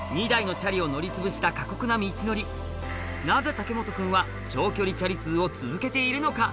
なぜ嶽本君は長距離チャリ通を続けているのか？